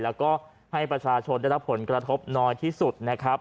แล้วก็ให้ประชาชนได้รับผลกระทบน้อยที่สุดนะครับ